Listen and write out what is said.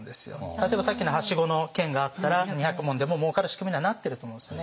例えばさっきのはしごの件があったら２００文でももうかる仕組みにはなってると思うんですね。